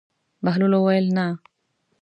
بهلول وویل: نه.